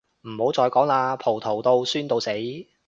唔好再講喇，葡萄到酸到死